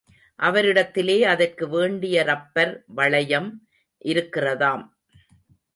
அவரிடத்திலே அதற்கு வேண்டிய ரப்பர் வளையம் இருக்கிறதாம்.